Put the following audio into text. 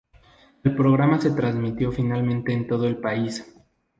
El programa se transmitió finalmente en todo el país.